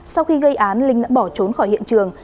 sau khi gây án linh đã bỏ trốn khỏi hiện trường